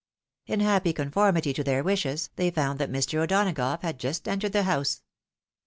In happy conformity to their wishes, they found that Mr. O'Donagough had just entered the house.